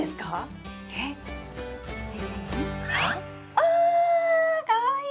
あかわいい！